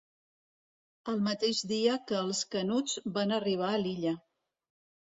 El mateix dia que els Canuts van arribar a l'illa.